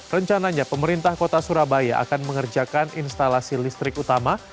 rencananya pemerintah kota surabaya akan mengerjakan instalasi listrik utama